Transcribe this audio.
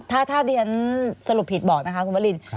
ถ้าดิฉันสรุปผิดบอกนะคะคุณพระริน